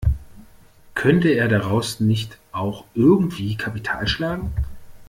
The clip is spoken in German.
Könnte er daraus nicht auch irgendwie Kapital schlagen?